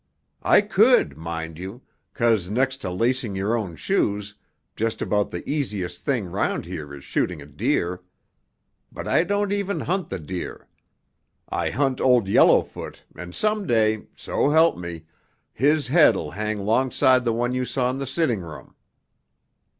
I could, mind you, 'cause next to lacing your own shoes, just about the easiest thing round here is shooting a deer. But I don't even hunt the deer. I hunt Old Yellowfoot and some day, so help me, his head'll hang 'longside the one you saw in the sitting room."